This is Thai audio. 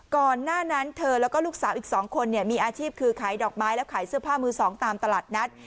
ก่อนหน้านั้นเธอแล้วก็ลูกสาวอีก๒คนมีอาชีพคือขายดอกไม้แล้วขายเสื้อผ้ามือสองตามตลาดนัด